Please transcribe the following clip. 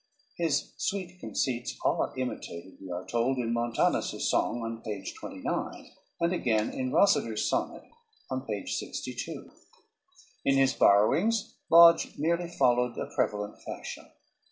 His "sweet conceits" are imitated, we are told, in Montanus's song on page 29, and again in Rosader's Sonnet, on page 62. In his borrowings Lodge merely followed a prevalent fashion.